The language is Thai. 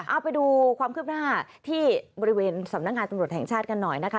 เอาไปดูความคืบหน้าที่บริเวณสำนักงานตำรวจแห่งชาติกันหน่อยนะคะ